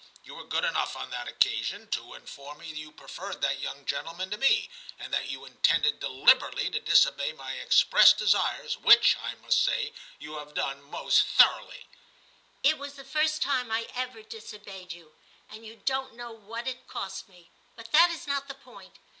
You were good enough on that occasion to inform me that you pre 270 TIM CHAP. XI ferred that young gentleman to me, and that you intended deliberately to disobey my express desires, which I must say you have done most thoroughly.* * It was the first time I ever disobeyed you, and you don't know what it cost me; but that is not the point.